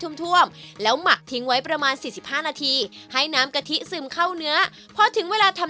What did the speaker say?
น้ำแกงจะชุ่มอยู่ในเนื้อไก่ค่ะ